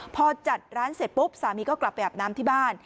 พอจัดร้านเสร็จปุ๊บสามีก็กลับไปอาบน้ำที่บ้าน